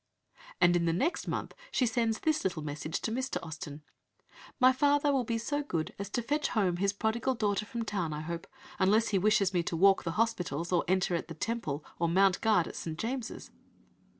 And in the next month she sends this little message to Mr. Austen: "My father will be so good as to fetch home his prodigal daughter from town, I hope, unless he wishes me to walk the hospitals, enter at the Temple, or mount guard at St. James'."